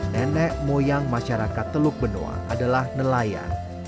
nenek moyang masyarakat teluk benoa adalah nelayan